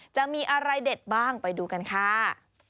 จะมีอะไรเด็ดบ้างไปดูกันค่ะ